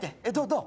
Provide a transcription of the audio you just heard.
どう？